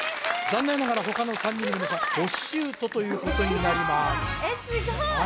残念ながら他の３人の皆さんボッシュートということになりますえっ